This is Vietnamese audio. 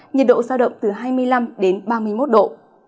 nhiệt độ sao động từ hai mươi năm ba mươi một độ